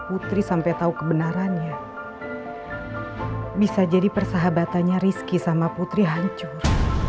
putri sampai tahu kebenarannya bisa jadi persahabatannya rizky sama putri hancur